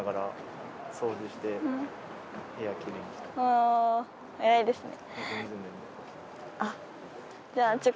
あ偉いですね。